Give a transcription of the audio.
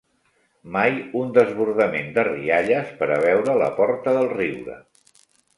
Mai un desbordament de rialles pera veure la porta del riure